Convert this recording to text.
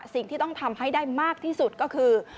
สิ่งที่ต้องทำให้ได้มากที่สุดก็คือ